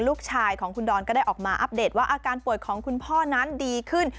ลูกชายของคุณดอนก็ได้ออกมาอัปเดตว่าอาการป่วยของคุณพ่อนั้นดีขึ้น